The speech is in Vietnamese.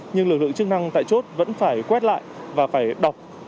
nhưng lực lượng chức năng tại chốt vẫn phải quét lại và phải đọc